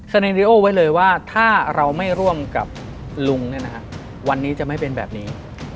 สนัยเรียโอไว้เลยว่าถ้าเราไม่ร่วมกับลุงเนี่ยนะครับวันนี้จะไม่เป็นแบบนี้